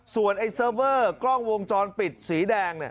ส่วนไอ้เซิร์ฟเวอร์กล้องวงจรปิดสีแดง